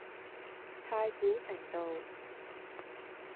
太古城道